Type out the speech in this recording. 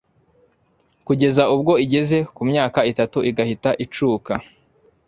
kugeza ubwo igeze ku myaka itatu igahita icuka